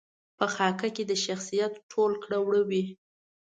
په خاکه کې د شخصیت ټول کړه وړه وي.